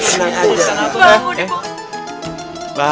bangun bangun bangun